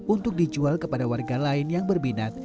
untuk dijual kepada warga lain yang berminat